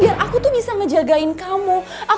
biar aku tuh bisa ngejagain kamu